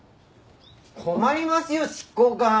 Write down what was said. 困りますよ執行官。